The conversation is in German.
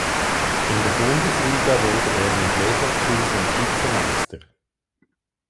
In der Bundesliga wurde er mit Leverkusen Vizemeister.